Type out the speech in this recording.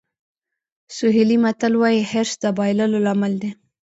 سوهیلي متل وایي حرص د بایللو لامل دی.